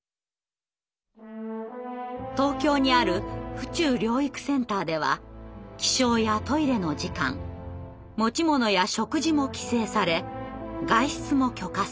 東京にある「府中療育センター」では起床やトイレの時間持ち物や食事も規制され外出も許可制。